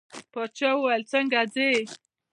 باچا وویل څنګه ځې.